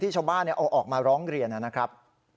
ชาวบ้านเอาออกมาร้องเรียนนะครับ